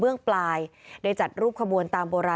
ในเวลาเดิมคือ๑๕นาทีครับ